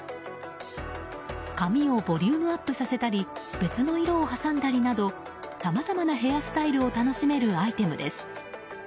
髪をボリュームアップさせたり別の色を挟んだりなどさまざまなヘアスタイルを楽しめるアイテムです。